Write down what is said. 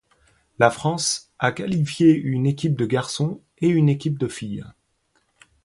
La France a qualifié une équipe de garçons et une équipe de filles.